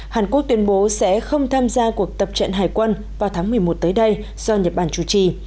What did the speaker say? hàn quốc tuyên bố sẽ không tham gia cuộc tập trận hải quân vào tháng một mươi một tới đây do nhật bản chủ trì